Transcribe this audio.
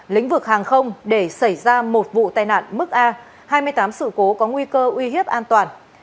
lĩnh vực hàng không để xảy ra một vụ tai nạn mức a hai mươi tám sự cố có nguy cơ uy hiếp an toàn